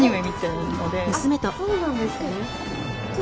あっそうなんですね。